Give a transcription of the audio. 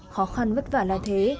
khó khăn vất vả là thế